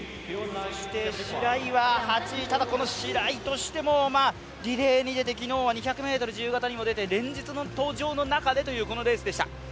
そして白井は８位、ただ、白井としても、リレーに出て昨日は２００ｍ自由形にも出て連日の登場の中でというこのレースでした。